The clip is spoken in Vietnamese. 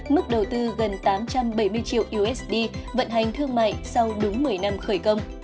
mức đầu tư gần tám trăm bảy mươi triệu usd vận hành thương mại sau đúng một mươi năm khởi công